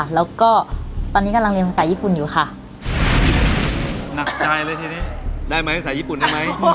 ค่ะหนักใจเลยทีนี้ได้ไหมภาษาญี่ปุ่นได้ไหมไม่เลยพี่คุณพ่อ